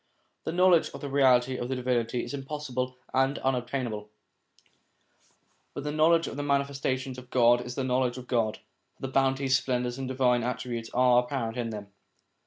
The knowledge of the Reality of the Divinity is impossible and unattainable, but the knowledge of the Manifestations of God is the knowledge of God, for the bounties, splendours, and divine attributes are R 258 SOME ANSWERED QUESTIONS apparent in them.